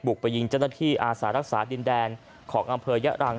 บุกไปยิงเจ้าท่านที่อาสารักษาดินแดนของอํ้วยัรัง